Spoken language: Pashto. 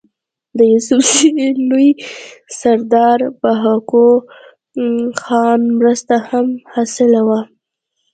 د يوسفزو لوئ سردار بهاکو خان مرسته هم حاصله وه